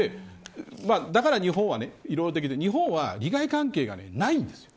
だから日本はいろいろできますが日本には利害関係がないんです。